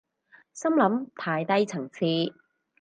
心諗太低層次